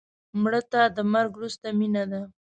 مړه ته د مرګ وروسته مینه ده